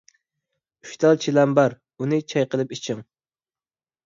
ئۈچ تال چىلان بار، ئۇنى چاي قىلىپ ئىچىڭ.